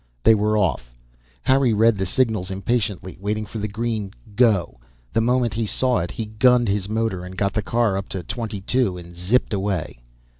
They were off. Harry read the signals impatiently, waiting for the green Go. The moment he saw it he gunned his motor and got the car up to twenty two and zipped away.